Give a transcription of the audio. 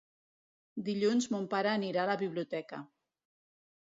Dilluns mon pare anirà a la biblioteca.